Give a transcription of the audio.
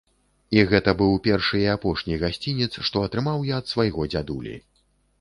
І гэта быў першы і апошні гасцінец, што атрымаў я ад свайго дзядулі.